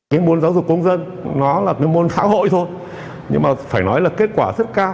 môn giáo dục công dân là môn tháo hội thôi nhưng phải nói là kết quả rất cao